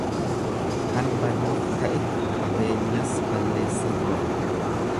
Kan baduuf ka'e qabeenyas balleesseet bada.